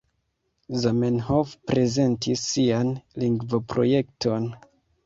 Zamenhof prezentis sian lingvoprojekton.